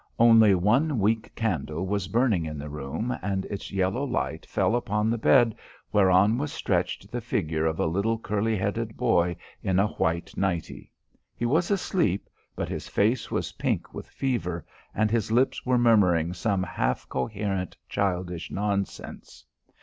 Only one weak candle was burning in the room and its yellow light fell upon the bed whereon was stretched the figure of a little curly headed boy in a white nightey. He was asleep, but his face was pink with fever and his lips were murmuring some half coherent childish nonsense.